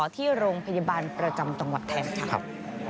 ที่โรงพยาบาลประจำจังหวัดแทนค่ะ